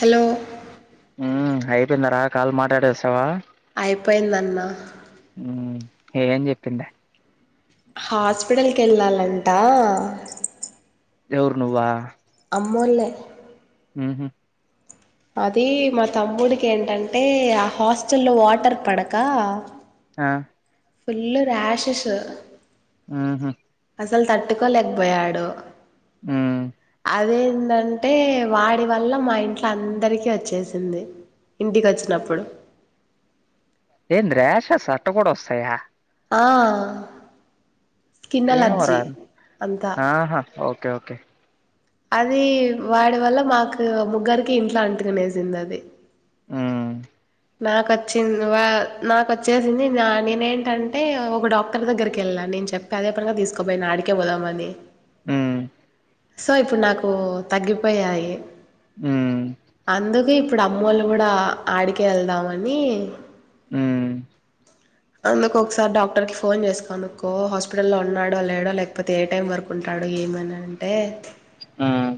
Hello ఉమ్మ్ అయిపోయిందారా call మాట్లాడేసవా అయిపోయిందన్న ఏమ్ చెప్పింది అంటా ఎవరు నువ్వా మొల్లే ఉ హుమ్ అది మా తమ్ముడికి ఏంటంటే ఆ హాస్టల్లో వాటర్ పడకా అ ఫుల్లు రాష్ షెస్ అస్ ఉహు అసల్ తట్టుకోలేకపోయాడు ఉమ్మ్ అదేందంటే వాడి వల్ల మా ఇం అందరికి అచ్చేసి ఉంది ఇంటికి అచ్చినపుడు ఏంది రాషెస్ అట్ట కూడా వస్తాయా ఆ స్కిన్ ఏమో రా అలర్జీ అంతా ఆహా ఓకే ఓకే ఓకే అది వాడి వల్ల మాకు ముగ్గురికి ఇంట్లో అంటుకనేసింది అది ఉమ్ నాకొచ్చింది వా నాక వచ్చేసింది నా నేనే ఏంటంటే ఒక డాక్టర్ దగ్గరికి వెళ్ళాను నేను చెప్పి అదే పనుగా తీసుకోపోయి నా అడికే పోదామని ఉమ్ సో ఇప్పుడు నాకు తగ్గి గ్గిపోయాయి ఉమ్ అందుకే ఇప్పుడు మ్ అమ్మ వాళ్ళు కూడా ఆడికి కెళ్దామని ఉమ్ అందు ఒకసారి డాక్టర్ క ఫోన్ చేసుకోనుక్కకో హాస్పిటలో ఉన్నాడో లేడో లేకపోతే ఏ టైమ్ వరకు ఉండ అంటాడు ఏమని అంటే ఉమ్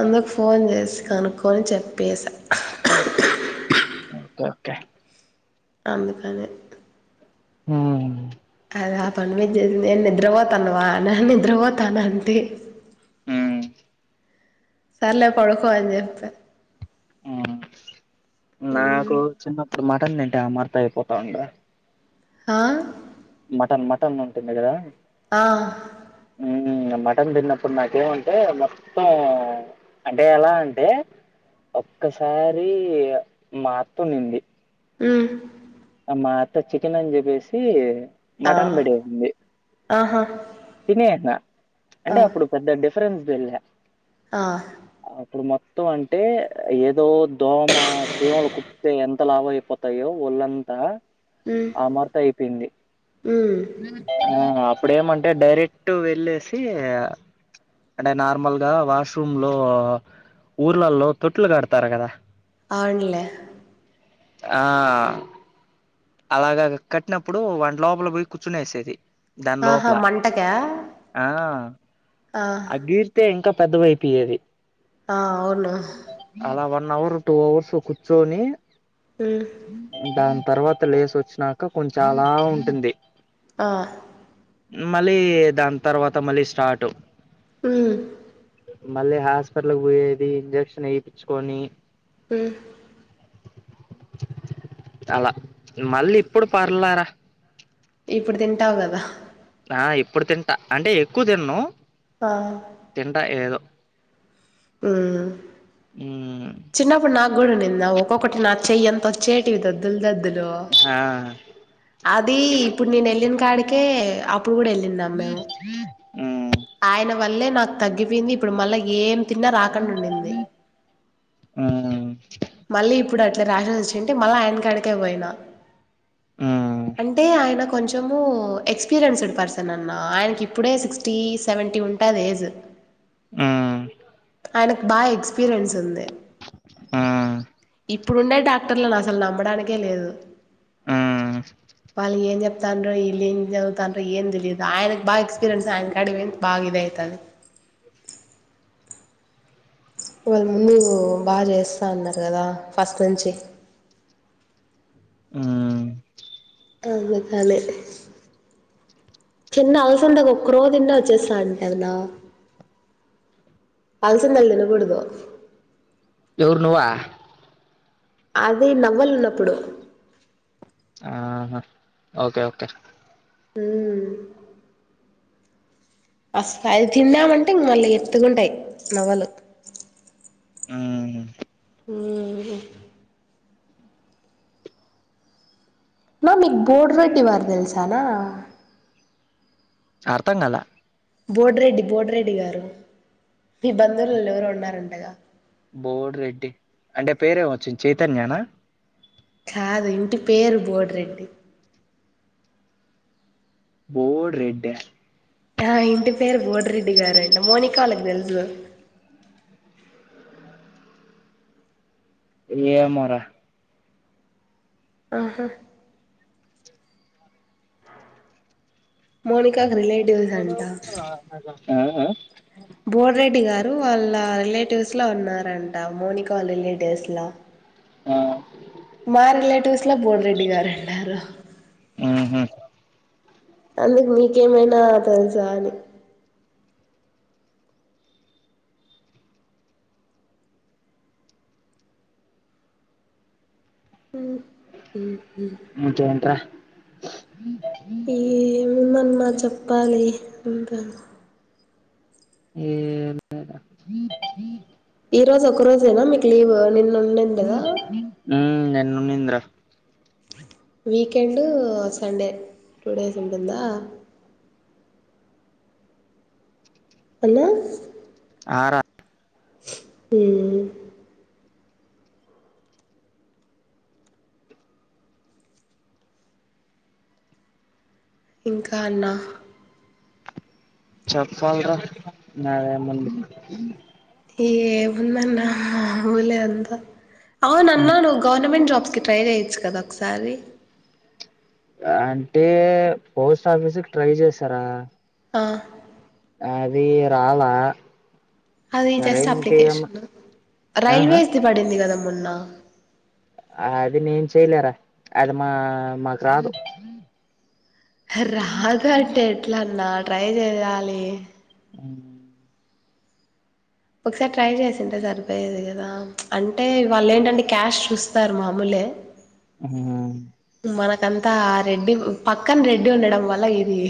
అందుకు ఫోన్ చేసి కనుక్కొని చెప్పేసా ఓకే ఓకే అందుకని ఉమ్ అద ఆ పనిమీద నేను నిద్ర పోతాను వా నే నిద్రపోతాను అంటి ఉమ్ సర్లే పడుకో అని చెప్తే ఉమ్ పట్ట ఏంటే ఆమర్త అయిపోతా ఉండా హా మటన్ మటన్ ఉంటుంది కదా ఆ ఉమ్ మటన్ తిన్నప్పుడు నాకేమంటే మొత్తం అంటే ఎలా అంటే ఒక్కసారి మా అత్త ఉనింది హ్మ్మ్ మా అత్త చికెన్ అని చెప్పేసి ఆ మటన్ బడెసింది ఆహా తినేసిన్నా ఆ అంటే అప్పుడు పెద్ద [unintelligible] ఆ ఇప్పుడు మొత్తం అంటే ఏదో దోమ చీమలు కుప్తే ఎంత లాభ అయిపోతాయో వొళ్ళంత మ్ ఆ అమార్త అయిపోయింది మ్ ఇప్పుడు ఏమంటే డైరెక్ట్ వెళ్ళేసి అంటే నార్మల్గా వాష్రూమ్ లో ఊర్లలో తొట్లు కడతారు కదా ఆరులే ఆ అలాగా కట్టినప్పుడు వంట లోపల పోయి కూర్చునే వేసేది దాని ఆహా లోపల మంటకా ఆ ఆ అగీరితే ఇంకా పెద్దవి అయిపోయేది ఆ అవును వన్ అవర్ టూ అవర్స్ కుర్చోని మ్ కా తర్వాత త లేసి వచ్చినాక కొంచెం అలా ఉంటుంది ఆ మళ్ళీ దాని తర్వాత మళ్ళీ స్టార్ట్ హుమ్ మళ్ళీ హాస్పిటల్కి పోయేది ఇంజక్షన్ ఏయిచుకొని హుమ్ అలా మళ్ళీ ఇప్పుడు పర్లరా తింటావ్ గదా ఆ ఇప్పుడు తింటా అంటే ఎక్కువ తిన్ను ఆ తింట ఏదో హుమ్ మ్మ్ చిన్నప్పుడు నా గుడ ఉన్నింది నా ఒక్కొక్కటి నా చెయ్యంత వచ్చేటివి దద్దులు దద్దులు ఆ అదీ ఇప్పుడు నేను ఎల్లిన్ కాడికే అప్పుడు కూడ ఎల్లిండం మేము హుమ్ ఆయన వల్లే నాక్ తగ్గిపోయింది ఇప్పుడు మళ్ళా ఏం తిన్నా రాకుండా ఉండింది హుమ్ మళ్ళీ ఇప్పుడు అట్లే రాషస్ వచ్చింటే మళ్ళ ఆయన కాడికే పోయినా మ్మ్ అంటే ఆయనకు కొంచము ఎక్స్పీరియన్స్డ్ పర్సన్ అన్న ఆయనకి ఇప్పుడే సిక్స్టీ సెవెంటీ ఉంటది ఏజ్ హుమ్ ఆయనకు బాగ ఎక్స్పీరియన్స్ ఉంది హుమ్ ఇప్పుడుండే డాక్టర్లని అసలు నమ్మడానికే లేదు మ్మ్ వాళ్ళు ఏం చెప్ తండ్రో ఈలేమి చదువ్ తండ్రో ఏం తెలీదు ఆయనక్ బాగా ఎక్స్పీరియన్స్ బాగా ఇదయితంది వాళ్ళ ముందు బాగ చేస్తా అన్నార్ కదా ఫస్ట్ నుంచి ఆ అందుకని చిన్న అలసందగా ఒక్కరవ్వ తింటే వచ్చేస్తంటది నా అలసిందలు తినగుడదు ఎవరు నువ్వా అదే నవ్వలున్నప్పుడు ఆహా ఓకే ఓకే హుమ్ అసలు అది తిన్నామంటే ఇంగ మళ్ళీ ఎత్తుకుంటాయ్ నవ్వలు హుమ్ హుమ్ హు మామ్ మీక్ బోడ్ రెడ్టి వారు తెలుసానా అర్థం కాల బోటిరెడ్డి బోటిరెడ్డి గారు మీ బంధువులలో ఎవరు ఉన్నారంటగా బోడ్ రెడ్డి అంటే పేరేమ్ వోచ్చింది చైతన్యానా కాదు ఇంటి పేరు బోడిరెడ్డి బోడ్ రెడ్డ ఆ ఇంటి పేరు బోడిరెడ్డి గారంట మౌనికా వాళ్ళకి తెలుసు ఏమోరా ఆహా మౌని క్కకు రిలేటివ్స్ అంట ఆ ఆ బోడ్ రెడ్డి గారు వాళ్ళ రిలేటివ్స్ లో ఉన్నారంట మౌనిక వాళ్ళ రిలేటివ్స్ లో ఆ మా రిలేటివ్స్ లో బోడ్ రెడ్డి గారు ఉన్నారు. ఉ హ్ అందుకు నీకేమైనా తెలుసా అని ఉ ఇంకెం ట్ర ఇగ ఏముందన్న చెప్పాలి [unintelligible] ఏం లేదురా ఈ రోజు ఒక రోజేనా మీకు లీవ్ నిన్న ఉండింద ఉ నిన్న ఉన్నింది ర వీకెండు సండే టూ డేస్ ఉంటుందా అన్నా ఆర ఉమ్ ఇంకా అన్న చెప్పాలిరా నాదే ముంది ఏముందన్న మాములే అంతా అవునన్న నువ్వు గవర్మెంట్ జాబ్స్ ట్రై చేయచ్చు కదా ఒకసారి అంటే పోస్ట్ ఆఫీసుకిి ట్రై చేసారా ఆ అది రాలా అది సరే జస్ట్ ఇంకేం అప్లికేషన్ ఆహా రైల్వేస్ది పడింది. కద మో న్న అది నేను చెయలేరా అది మా మాకు రాదు రాదు అంటే మ్మ్ ఎట్ల అన్న ట్రై చేయాలి. ఒకసారి ట్రై చేసింటే సరిపోయేది. కదా అంటే వాళ్ళు ఏంటంటే క్యాస్ట్ చూస్తారు. మామూలే హ మనకంతా రెడ్డి పక్కన రెడ్డి ఉండడం. వల్ల ఇది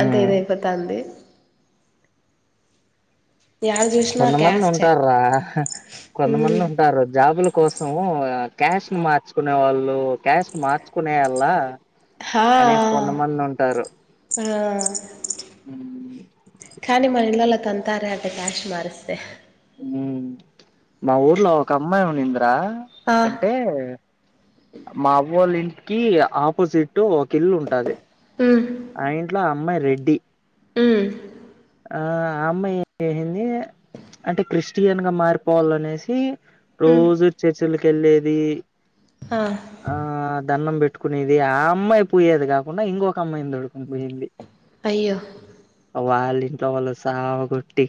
అంతే ఇదయిపోతాంది యాడ చూసినా కొంతమంది క్యాస్టే ఉంటారూ రా మ్మ్ కొంతమంది ఉంటారు జాబులు కోసం క్యాస్ట్ ను మార్చుకునే వాళ్ళు కాస్ట్ ను మార్చుకునేయల్లా హా అనేసి కొంతమంది ఉంటారు ఆ కాని మన ఇండ్లలో తం తార అట క్యాస్ట్ మారిస్తే హ్మ్ మా ఊర్లో ఒక అమ్మాయి ఉన్నిందా ఆ అంటే మా అవ్వోళ్ళ ఇ కి ఆపోజిట్ ఒక ఇల్లు ఉంటాది మ్మ్ ఆ ఇంట్లో అమ్మాయి రే డి హ్మ్ ఆ అమ్మాయి ఏం చేసింది అంటే క్రిష్ స్టియన్ గా మారిపోవాల్ల అనేసి మ్మ్ రోజు చె చెల్ తెల్లేది ఆ ఆ ధన్నం బె పట్టుకునేది ఆ అమ్మాయి పోయేది కాకుండా ఇంకొక అమ్మాయిని దొడుకుని పోయింది అయ్యో వాలి ఇంట్లోవాళ్ళు సావ గొట్టి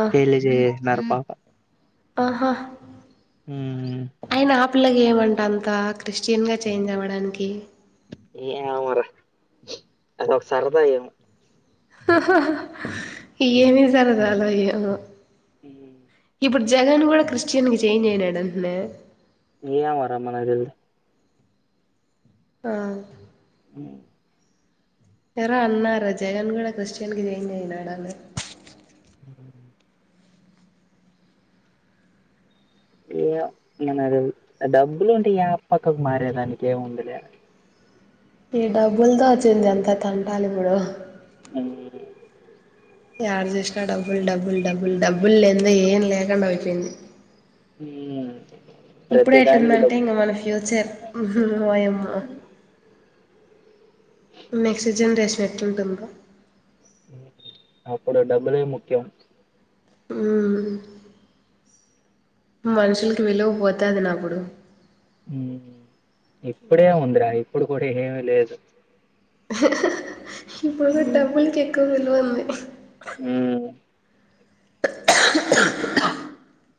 ఆ పెళ్లి జేసినారు పా ఆహా ఉమ్ అయినా పిల్లకి ఏమంట అంతా క్రిస్టియన్గా చేంజ్ అవ్వడానికి ఏమోరా అదొక సరదా ఏమో ఏమి జరగాలో ఏమో హ్మ్ ఇప్పుడు జగన్ కూడా క్రిస్టియన్ కి చేంజ్ అయనాడంటనే ఏమోరా మనకి దెల్దు ఆ హ్మ్ ఎరో అన్నారు జగన్ కూడా క్రిస్టియన్ కి చేంజ్ అయినాడని ఏ మన డబ్బులు ఉంటే యా పక్కకు మారేదానికి ఏముందిలే ఈ డబ్బులతో వచ్చింది ఎంత తంటాలి ఇప్పుడు హ్మ్ యాడ చేసినా డబ్బుల్ డబ్బుల్ డబ్బుల్ డబ్బులేందే ఏం లేకుండా అయిపోయింది ఉమ్ ఇప్పుడే ఎట్టుందంటే ఇంకా మన ఫ్యూచర్ వోయమ్మ మెక్స్ జనరేషన్ ఎట్టుంటుందో అప్పుడు డబ్బులేే ముఖ్యం మనుషులకి విలువ పోతాది నా అప్పుడు ఇప్పుడే ఉందిరా ఇప్పుడు కూడా ఏమీ లేదు ఇప్పుడు కూడా డబ్బులకెక్కువ విలువుంది ఉమ్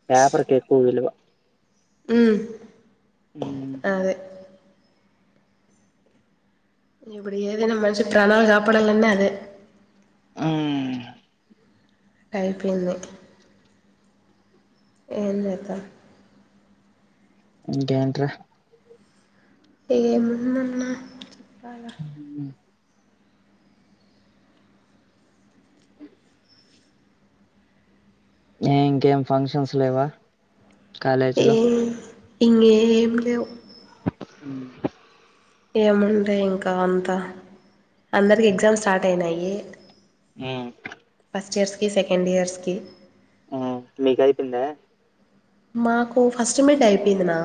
పేపర్కే ఎక్కువ్ విలువ హ్మ్ హ్ మ్ ఇప్పుడు ఏదైనా మనిషి ప్రాణాలు కాపాడలన్న అదే ఉమ్మ్ అయిపోయింది ఏం చేద్దాం ఇంకేంట్రా ఏముందన్నా [unintelligible] ఏ ఇంకేం ఫంక్షన్స్ లేవా కాలేజ్ లో ఏం ఇంగేం లేవు. హ్మ్ ఏముంటాయి ఇంకా అంతా అందరికి ఎగ్జామ్ స్టార్ట్ అయినాయి. హ్మ్ ఫస్ట్ ఇయర్స్కి సెకండ్ ఇయర్స్కి ఆ మీకు అయిపోయిందా మాకు ఫస్ట్ మిట్ అయిపోయిందినా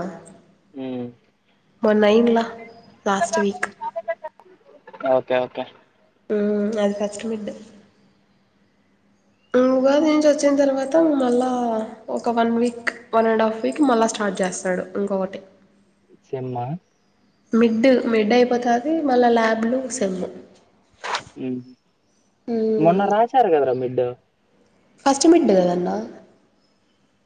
ఉమ్ మొన్న అయ్యిండ్లా లాస్ట్ వీక్ కే ఓకే హ్ అది ఫస్ట్ మిడ్ ఉ ఉగాది నుంచి వచ్చిన తర్వాత మళ్ళా ఒక one week one and half week మళ్ళా స్టార్ట్ చేస్తాడు ఇంకొకటి సెమ్మా మిడ్ మిడ్ అయిపోతది మళ్ళ ల్యాబ్లు సెమ్ ఉ మొన్న రాశారు కదరా మిడ్ ఫస్ట్ మిడ్ కదన్న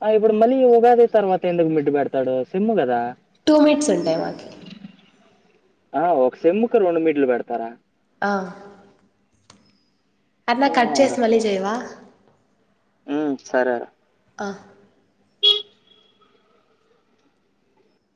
ఆ ఇప్పుడు మళ్ళీ ఉగాది తర్వాత ఎందుకు మిడ్డు పెడతాడు సెమ్ కదా టూ మినిట్స్ ఉంటాయి మాకి ఆ ఒక సెమ్ కు రెండు మిడ్లు పెడతారా ఆ అట్ల కట్ చేసి మళ్ళీ చేయవా ఊ సరే ఆ